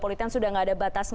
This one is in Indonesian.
tidak sudah murah tapi ya bang